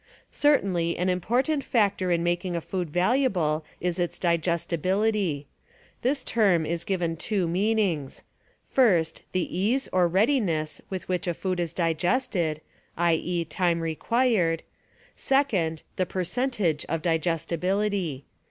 Certainly an important factor in making a food valuable is its digestibility. This term is given two meanings: first, the ease or readi ness with which a food is digested, i. e., time required: second, the per centage of digestibility.